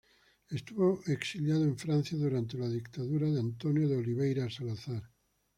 Estuvo exiliado en Francia durante la dictadura de António de Oliveira Salazar.